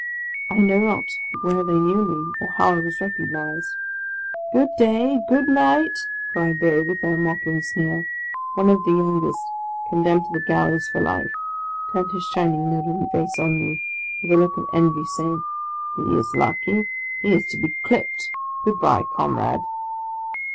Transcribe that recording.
I know not where they knew me, or how I was recognized. " Good day ! good night !" cried they, with their mocking sneer. One of the youngest, condemned to the Galleys for life, turned his shining, leaden face on me, with a look of envy, saying, " He is lucky ! he is to be clipped! Good bye, Comrade